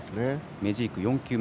メジーク、４球目。